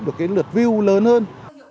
được cái lượt view lớn hơn